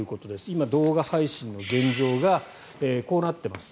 今、動画配信の現状がこうなっています。